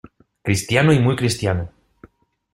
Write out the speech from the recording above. ¡ cristiano, y muy cristiano!